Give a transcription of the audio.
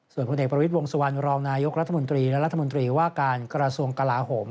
ส่วนพลเอกประวิทย์วงสุวรรณรองนายกรัฐมนตรีและรัฐมนตรีว่าการกระทรวงกลาโหม